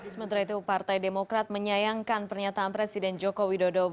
sementara itu partai demokrat menyayangkan pernyataan presiden joko widodo